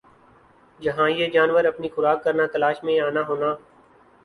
جَہاں یِہ جانور اپنی خوراک کرنا تلاش میں آنا ہونا